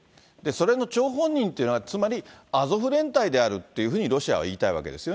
それの張本人っていうのが、つまりアゾフ連隊であるっていうふうにロシアは言いたいわけです